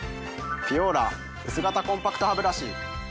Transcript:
ピュオーラ薄型コンパクトハブラシ。